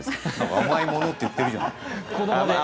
甘いものって言ってるじゃない。